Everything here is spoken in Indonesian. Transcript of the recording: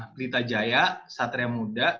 berita jaya satria muda